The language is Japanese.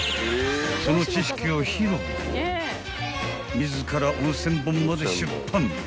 ［自ら温泉本まで出版］